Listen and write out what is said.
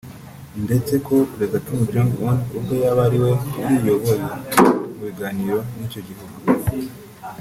ndetse ko Perezida Kim Jong Un ubwe yaba ariwe uriyoboye mu biganiro n’icyo gihugu